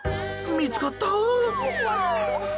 見つかった。